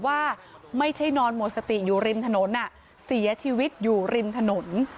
ว่าไม่ใช่นอนหมดสติอยู่ริมถนนเสียชีวิตอยู่ริมถนน